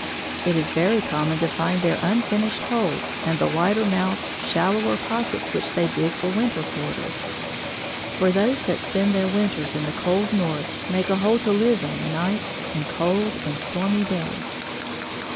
It is very common to find their unfinished holes and the wider mouthed, shallower pockets which they dig for winter quarters; for those that spend their winters in the cold North make a hole to live in nights and cold and stormy days.